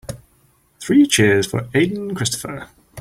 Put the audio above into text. Three cheers for Aden Christopher.